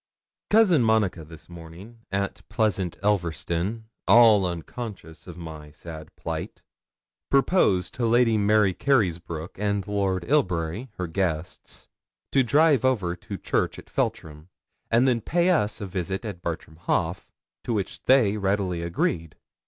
Cousin Monica this morning, at pleasant Elverston, all unconscious of my sad plight, proposed to Lady Mary Carysbroke and Lord Ilbury, her guests, to drive over to church at Feltram, and then pay us a visit at Bartram Haugh, to which they readily agreed.